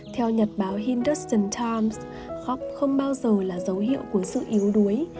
theo nhật báo hindustan times khóc không bao giờ là dấu hiệu của sự yếu đuối